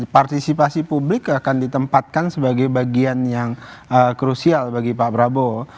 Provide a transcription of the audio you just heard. partisipasi publik akan ditempatkan sebagai bagian yang krusial bagi pak prabowo